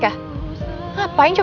gak mau ngapain sih enggak